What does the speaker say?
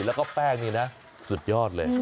แล้วก็แป้งนี่นะสุดยอดเลย